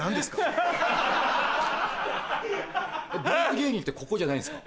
芸人ってここじゃないんですか？